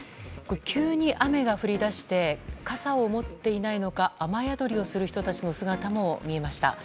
急に雨が降り出して傘を持っていないのか雨宿りをする人たちの姿も見えました。